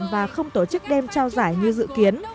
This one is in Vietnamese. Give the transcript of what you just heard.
và không tổ chức đêm trao giải như dự kiến